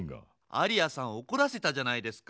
アリアさんをおこらせたじゃないですか。